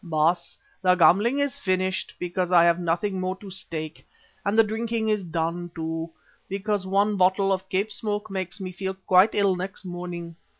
"Baas, the gambling is finished, because I have nothing more to stake, and the drinking is done too, because but one bottle of Cape Smoke makes me feel quite ill next morning.